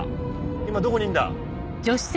今どこにいんだ？